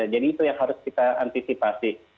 jadi itu yang harus kita antisipasi